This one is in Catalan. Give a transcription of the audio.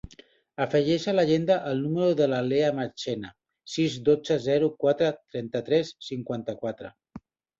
Afegeix a l'agenda el número de la Lea Marchena: sis, dotze, zero, quatre, trenta-tres, cinquanta-quatre.